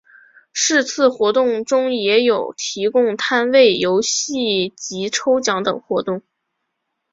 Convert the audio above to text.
是次活动中也有提供摊位游戏及抽奖等活动。